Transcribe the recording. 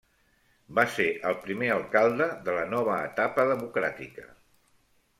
Va ser el primer alcalde de la nova etapa democràtica.